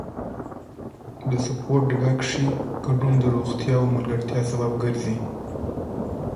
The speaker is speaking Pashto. د سپورت ډګر کې ګډون د روغتیا او ملګرتیا سبب ګرځي.